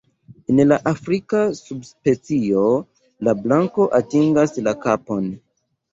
En la afrika subspecio la blanko atingas la kapon.